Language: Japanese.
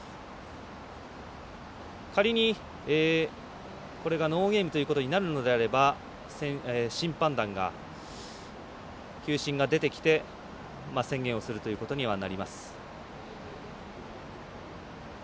仮に、これがノーゲームということになるのであれば審判団が、球審が出てきて宣言をするということになります。